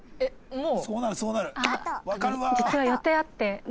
もう？